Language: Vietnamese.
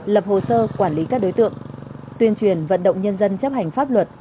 lập hồ sơ quản lý các đối tượng tuyên truyền vận động nhân dân chấp hành pháp luật